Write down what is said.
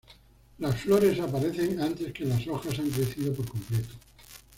Las flores aparecen antes que las hojas han crecido por completo.